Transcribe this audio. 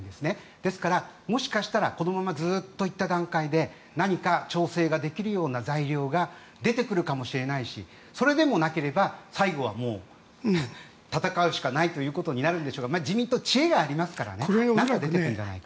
ですから、もしかしたらこのままずっと行った段階で何か、調整ができるような材料が出てくるかもしれないしそれでもなければ最後は戦うしかないということになるんでしょうが自民党は知恵がありますから何か出てくるんじゃないか。